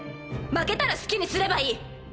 負けたら好きにすればいい。